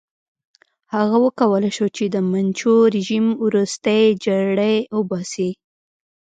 هغه وکولای شو چې د منچو رژیم ورستۍ جرړې وباسي.